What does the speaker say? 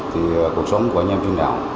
thì cuộc sống của anh em trên đảo